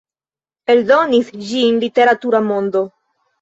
Eldonis ĝin Literatura Mondo.